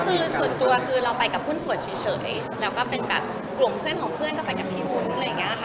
คือส่วนตัวคือเราไปกับหุ้นส่วนเฉยแล้วก็เป็นแบบกลุ่มเพื่อนของเพื่อนก็ไปกับพี่วุ้นอะไรอย่างนี้ค่ะ